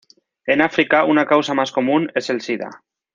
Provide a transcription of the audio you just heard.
En África, una causa más común es el sida.